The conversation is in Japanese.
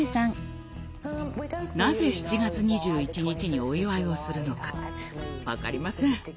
なぜ７月２１日にお祝いをするのか分かりません。